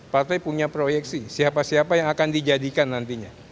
partai punya proyeksi siapa siapa yang akan dijadikan nantinya